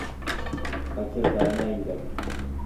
Фатирҙарына индем.